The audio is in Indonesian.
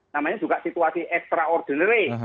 namanya juga situasi ekstra ordinary